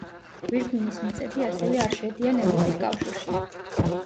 გვირგვინის მიწები ასევე არ შედიან ევროპის კავშირში.